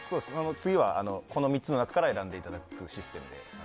次は、この３つの中から選んでいただくシステムで。